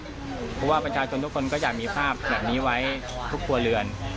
เพราะว่าประชาชนทุกคนก็อยากมีภาพแบบนี้ไว้ทุกครัวเรือน